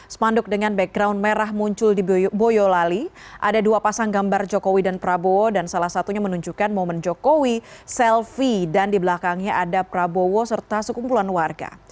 sepanduk dengan background merah muncul di boyolali ada dua pasang gambar jokowi dan prabowo dan salah satunya menunjukkan momen jokowi selfie dan di belakangnya ada prabowo serta sekumpulan warga